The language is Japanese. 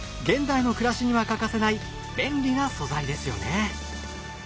現代の暮らしには欠かせない便利な素材ですよね。